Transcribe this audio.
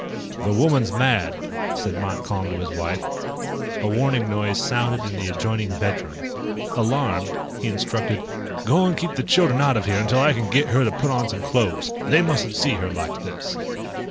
"The woman's mad," said Montcalm to his wife. A warning noise sounded in the adjoining bedroom. Alarmed, he instructed: "Go and keep the children out of here until I can get her to put on some clothes. They mustn't see her like this."